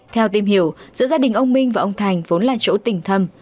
theo tìm hiểu giữa gia đình ông minh và ông thành vốn là chỗ tỉnh thâm